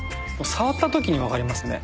触ったときにわかりますね